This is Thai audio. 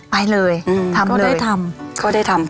ไปเลยทำเลยก็ได้ทำ